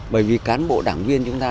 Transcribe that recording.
bởi vì cán bộ đảng viên chúng ta